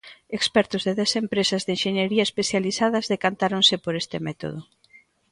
Expertos de dez empresas de enxeñería especializadas decantáronse por este método.